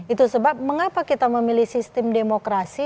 itu sebab mengapa kita memilih sistem demokrasi